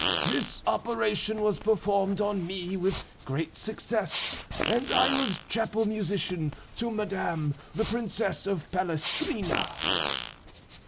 This operation was performed on me with great success and I was chapel musician to madam, the Princess of Palestrina.'